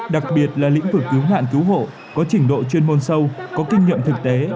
đặc biệt là lĩnh vực cứu nạn cứu hộ có trình độ chuyên môn sâu có kinh nghiệm thực tế